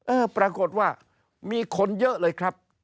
เออปรากฏว่ามีคนเยอะเลยครับ